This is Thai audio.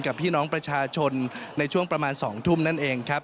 กับพี่น้องประชาชนในช่วงประมาณ๒ทุ่มนั่นเองครับ